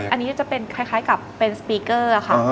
อันนี้จะเป็นคล้ายกับเป็นสปีเกอร์ค่ะ